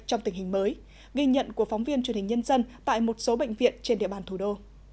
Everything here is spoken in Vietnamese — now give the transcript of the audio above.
trong tình hình mới ghi nhận của phóng viên truyền hình nhân dân tại một số bệnh viện trên địa bàn thủ đô